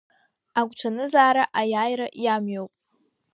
Агәҽанызаара аиааира иамҩоуп.